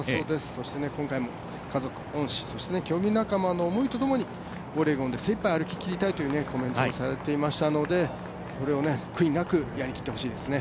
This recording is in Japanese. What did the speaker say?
そして今回も家族、恩師、競技仲間の思いとともにオレゴンで精いっぱい歩ききりたいというコメントをされていたのでそれを悔いなくやりきってほしいですね。